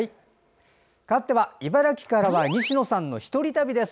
かわって、茨城から西野さんの１人旅です。